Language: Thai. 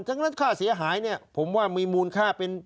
งั้นค่าเสียหายเนี่ยผมว่ามีมูลค่าเป็น